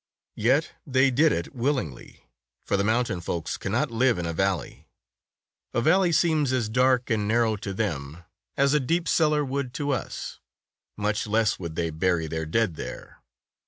Yet they did it willingly, for the mountain folks cannot live in a valley. A valley seems as dark and narrow to them 91 92 Tales of Modern Germany as a deep cellar would to us. Much less would they bury their dead there.